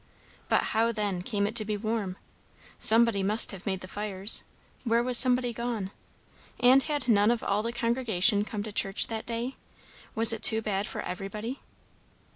But how, then, came it to be warm? Somebody must have made the fires; where was somebody gone? And had none of all the congregation come to church that day? was it too bad for everybody?